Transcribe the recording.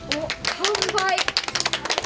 完売。